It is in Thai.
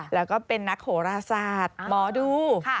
แล้วก็เป็นนักโหราศาสตร์หมอดู